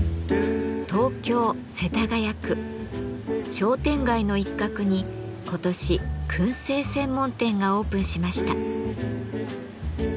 商店街の一角に今年燻製専門店がオープンしました。